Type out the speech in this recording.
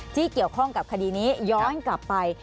ที่เกี่ยวข้องกับคดีนี้ย้อนกลับไป